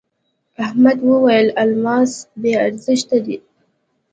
احمد وويل: الماس بې ارزښته دی.